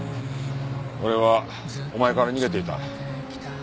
俺はお前から逃げていた。